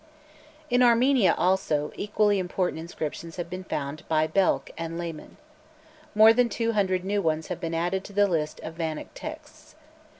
In Armenia, also, equally important inscriptions have been found by Belck and Lehmann. More than two hundred new ones have been added to the list of Vannic texts.